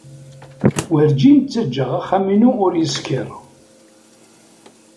Werǧin ttaǧǧaɣ axxam-inu ur yeskiṛ.